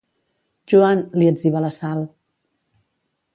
Joan, li etziba la Sal.